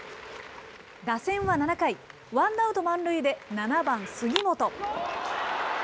打線は７回、ワンアウト満塁で７番杉本。